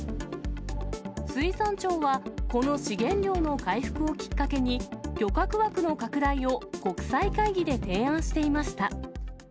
水産庁は、この資源量の回復をきっかけに、漁獲枠の拡大を国際会議で提案していました。